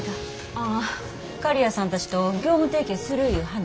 ああ刈谷さんたちと業務提携するいう話？